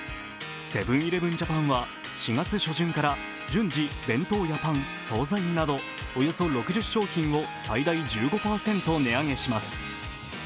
セブン−イレブン・ジャパンは４月初旬から、順次弁当やパン、総菜などおよそ６０商品を最大１５％値上げします。